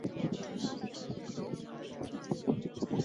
生子令香。